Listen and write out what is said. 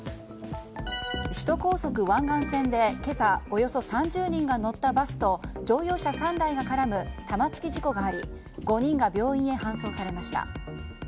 首都高速湾岸線で今朝およそ３０人が乗ったバスと乗用車３台が絡む玉突き事故があり５人が病院へ搬送されました。